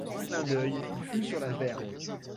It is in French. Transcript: En un clin d'oeil il fut sur la vergue.